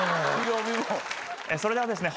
それではですね